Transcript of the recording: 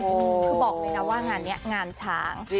คือบอกเลยนะว่างานนี้งานช้าง